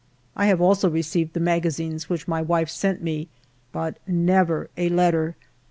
I have also received the magazines which my wife sent me ; but never a letter.